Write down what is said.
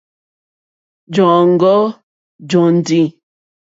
Jɔǃ́ɔ́ŋɡɔ́ jóndì.